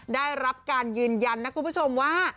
ได้รับการยืนยันนะคุณผู้ชมว่า